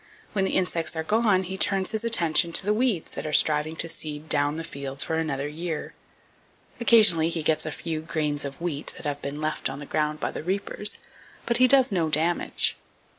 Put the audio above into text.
When the insects are gone, he turns his attention to the weeds that are striving to seed down the fields for another year. Occasionally he gets a few grains of wheat that have been left on the ground by the reapers; but he does no damage.